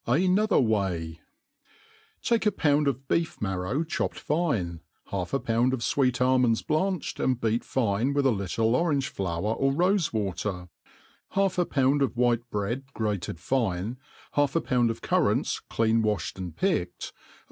AnothiT Way. TAKE a pound of bee£ marrow chopped fine, half a pound of fweet almonds blanched, and beat fine with a little orange flower or rofe water, half a pound of white bread grated fine, half a pound of currants clean walhed and picked, a.